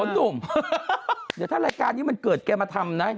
หนุ่มเดี๋ยวถ้ารายการนี้มันเกิดแกมาทำนะ